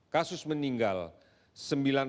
kasus meninggal sembilan ratus lima puluh sembilan orang